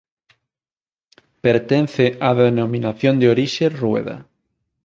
Pertence á Denominación de Orixe Rueda.